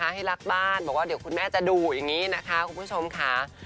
ให้รักบ้านบอกว่าเดี๋ยวคุณแม่จะดูอย่างนี้นะคะคุณผู้ชมค่ะ